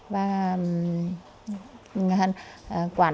và quản lý thì hẳn